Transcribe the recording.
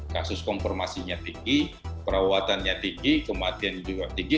kasus konformasinya tinggi perawatannya tinggi kematiannya juga tinggi